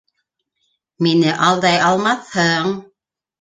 Мине алдай алмаҫһың!